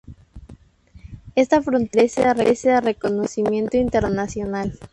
Esta frontera carece de reconocimiento internacional.